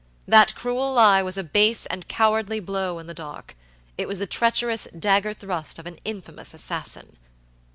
That cruel lie was a base and cowardly blow in the dark; it was the treacherous dagger thrust of an infamous assassin."